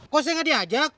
kok saya nggak diajak